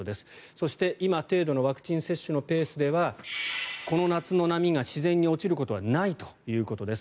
そして、今程度のワクチン接種のペースではこの夏の波が自然に落ちることはないということです。